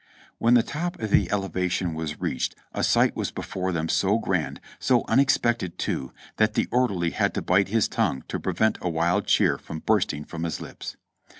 When the top of the elevation was reached a sight was before them so grand, so unexpected too, that the orderly had to bite his tongue to prevent a wild cheer from bursting from his lips.